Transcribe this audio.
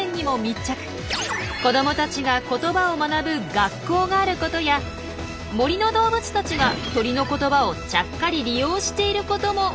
子どもたちが言葉を学ぶ「学校」があることや森の動物たちが鳥の言葉をちゃっかり利用していることも分かってきたんです。